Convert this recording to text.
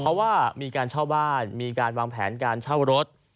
เพราะว่ามีการเช่าบ้านมีการวางแผนการเช่ารถ